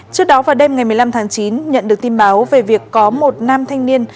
trước đó vào đêm ngày một mươi năm tháng chín nhận được tin báo về việc có một nam thanh niên